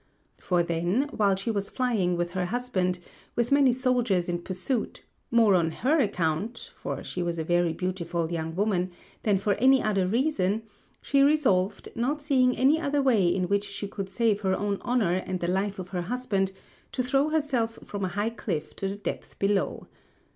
For then, while she was flying with her husband, with many soldiers in pursuit, more on her account (for she was a very beautiful young woman) than for any other reason, she resolved, not seeing any other way in which she could save her own honour and the life of her husband, to throw herself from a high cliff to the depth below.